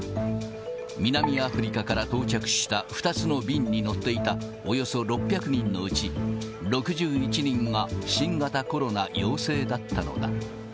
南アフリカから到着した２つの便に乗っていたおよそ６００人のうち、６１人が新型コロナ陽性だったのだ。